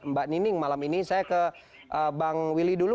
mbak nining malam ini saya ke bang willy dulu